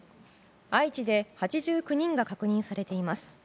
愛知で８９人が確認されています。